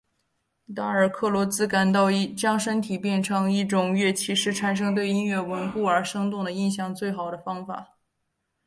达尔克罗兹感觉到将身体变成一种乐器是产生对音乐的稳固而生动的印象的最好的方法。